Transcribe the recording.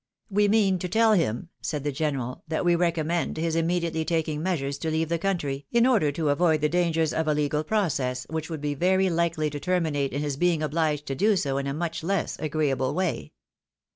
" We mean to tell him," said the general, "that we recom 378 THE WIDOW MARRIED. mend his immediately taking measures to leave the covmtry, in order to avoid the dangers of a legal process which would be very likely to terminate in his being obliged to do so in a much less agreeable way."